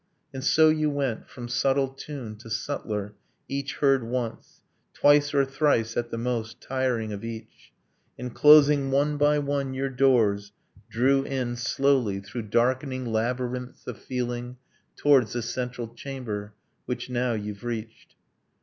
. And so you went From subtle tune to subtler, each heard once, Twice or thrice at the most, tiring of each; And closing one by one your doors, drew in Slowly, through darkening labyrinths of feeling, Towards the central chamber ... Which now you've reached.